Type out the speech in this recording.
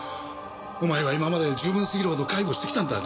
お前は今まで十分過ぎるほど介護してきたんだ。